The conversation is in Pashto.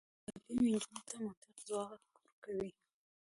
تعلیم نجونو ته د منطق ځواک ورکوي.